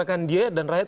bahkan dia dan rakyat